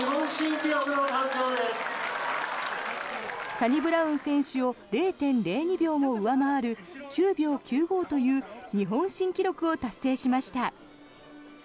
サニブラウン選手を０．０２秒も上回る９秒９５という日本新記録を達成しました。